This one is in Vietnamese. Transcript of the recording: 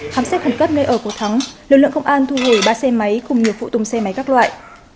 khám xét khẩn cấp nơi ở của thắng lực lượng công an thu hồi ba xe máy cùng nhiều phụ tùng xe máy các loại